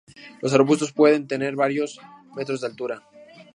Los arbustos pueden tener varios metros de altura.